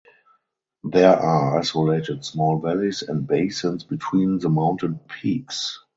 There are isolated small valleys and basins between the mountain peaks.